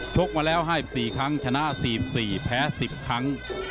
กมาแล้ว๕๔ครั้งชนะ๔๔แพ้๑๐ครั้ง